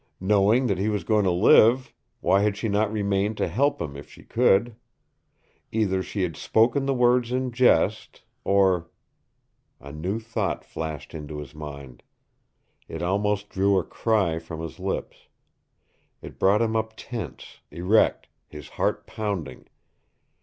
Knowing that he was going to live, why had she not remained to help him if she could? Either she had spoken the words in jest, or A new thought flashed into his mind. It almost drew a cry from his lips. It brought him up tense, erect, his heart pounding.